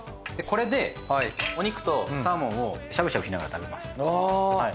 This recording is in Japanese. これでお肉とサーモンをしゃぶしゃぶしながら食べます。